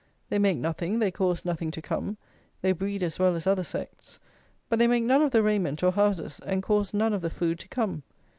They make nothing; they cause nothing to come; they breed as well as other sects; but they make none of the raiment or houses, and cause none of the food to come.